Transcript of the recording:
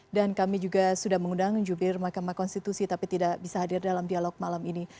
dan kami juga sudah mengundang jubir mahkamah konstitusi tapi tidak bisa hadir dalam dialog malam ini